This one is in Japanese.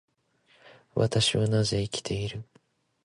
私はなぜ生きているのだろうか。